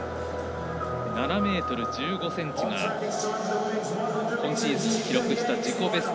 ７ｍ１５ｃｍが今シーズン記録した自己ベスト。